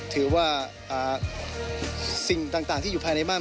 ถือว่าสิ่งต่างที่อยู่ภายในบ้าน